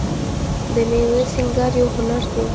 د میوو سینګار یو هنر دی.